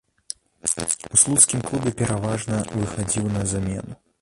У слуцкім клубе пераважна выхадзіў на замену.